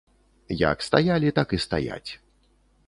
Як стаялі, так і стаяць.